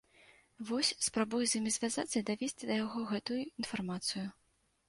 Вось, спрабую з ім звязацца і давесці да яго гэтую інфармацыю.